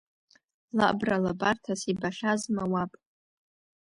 Лабра лабарҭас ибахьазма уаб?